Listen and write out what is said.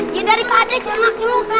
ya daripada celak celokan